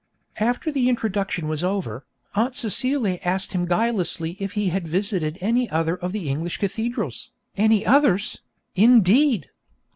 After the introduction was over, Aunt Celia asked him guilelessly if he had visited any other of the English cathedrals. Any others, indeed!